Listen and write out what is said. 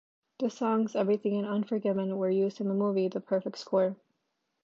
The songs Everything and Unforgiven were used in the movie The Perfect Score.